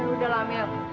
ya udahlah mil